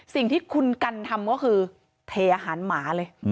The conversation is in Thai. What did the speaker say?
สิ่งที่คุณกันทำก็คือเทอาหารหมาเลย